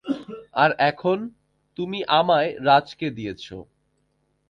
আর এখন, তুমি আমায় রাজকে দিয়েছো।